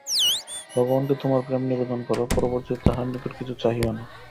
ভগবানকে তোমার প্রেম নিবেদন কর, পরিবর্তে তাঁহার নিকট কিছু চাহিও না।